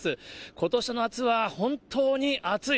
ことしの夏は本当に暑い。